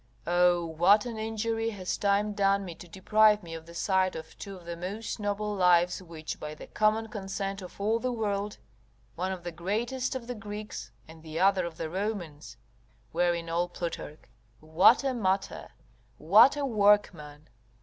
Oh, what an injury has time done me to deprive me of the sight of two of the most noble lives which, by the common consent of all the world, one of the greatest of the Greeks, and the other of the Romans, were in all Plutarch. What a matter! what a workman!